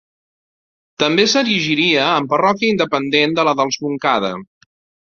També s'erigiria en parròquia independent de la dels Montcada.